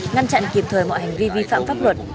ngăn chặn kịp thời mọi hành vi vi phạm pháp luật